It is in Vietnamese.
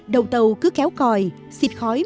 đầu tàu cứ kéo còi xịt khói